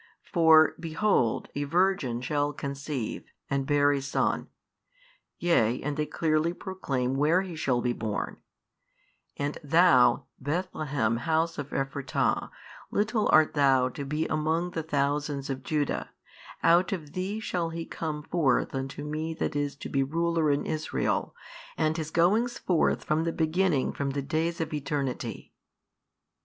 For behold, a Virgin shall conceive, and bear a Son: yea and they clearly proclaim where He shall be born: And thou, Bethlehem house of Ephratah, little art thou to be among the thousands of Judah; out of thee shall He come forth unto Me that is to be Ruler in Israel, and His goings forth from the beginning from the days of eternity.